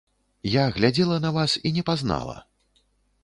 Я глядзела на вас і не пазнала.